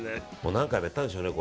何回もやったんでしょうね。